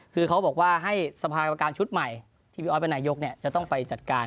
คือเขาบอกว่าให้สภากรรมการชุดใหม่ที่พี่ออสเป็นนายกจะต้องไปจัดการ